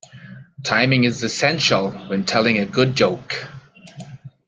Timing is essential when telling a good joke.